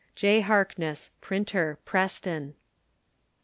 J. Harkness, Printer, Preston.